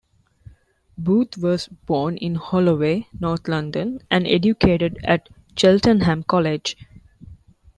Booth was born in Holloway, North London, and educated at Cheltenham College.